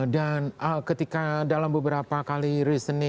dan ketika dalam beberapa kali riset